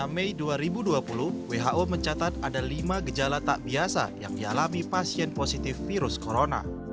dua puluh mei dua ribu dua puluh who mencatat ada lima gejala tak biasa yang dialami pasien positif virus corona